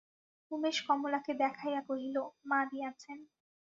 উমেশ কমলাকে দেখাইয়া কহিল, মা দিয়াছেন।